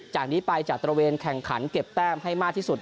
จากนี้ไปจะตระเวนแข่งขันเก็บแต้มให้มากที่สุด